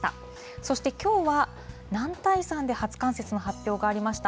そしてきょうは男体山で初冠雪の発表がありました。